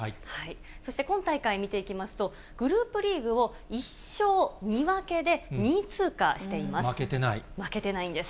そして今大会見ていきますと、グループリーグを１勝２分けで２位通過しています。